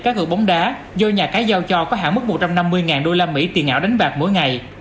cá gợi bóng đá do nhà cái giao cho có hạn mức một trăm năm mươi usd tiền ảo đánh bạc mỗi ngày